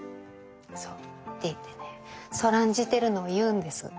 そうって言ってねそらんじてるのを言うんです。